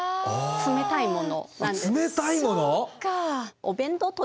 冷たいもの？